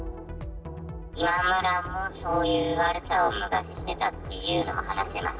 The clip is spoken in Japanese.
今村も、そういう悪さを昔してたっていうのは、話してました、